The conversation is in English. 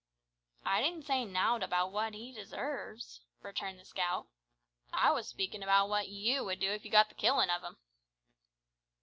"I didn't say nowt about what he desarves," returned the scout; "I was speakin' about what you would do if you'd got the killin' of him."